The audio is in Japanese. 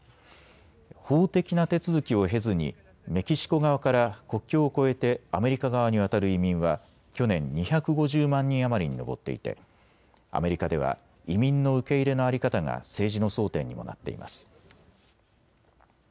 法的な手続きを経ずにメキシコ側から国境を越えてアメリカ側に渡る移民は去年２５０万人余りに上っていてアメリカでは移民の受け入れの在り方が政治の争点にもなっています。